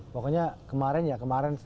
pokoknya kemarin ya kemarin